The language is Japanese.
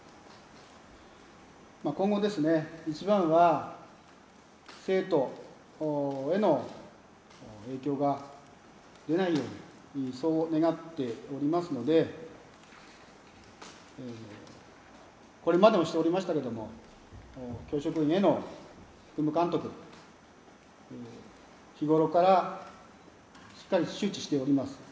今後、一番は生徒への影響が出ないように、そう願っておりますのでこれまでもしておりましたけれども、教職員への勤務監督、日頃からしっかり周知しております。